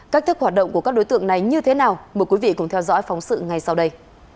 cách thức hoạt động của các đối tượng này như thế nào mời quý vị cùng theo dõi phóng sự ngay sau đây